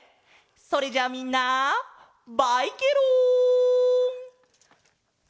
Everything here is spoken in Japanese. それじゃあみんなバイケロン！